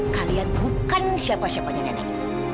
kalian bukan siapa siapanya nenek